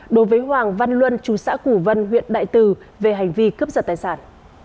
đối với hoàng văn luân chú xã củ vân huyện đại từ về hành vi cướp giật tài sản